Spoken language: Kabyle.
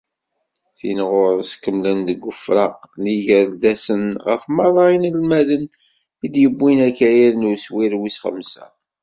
Tin ɣur-s, kemmlen deg ufraq n yigerdasen ɣef merra inelmadeng i d-yewwin akayad n uswir wis xemsa.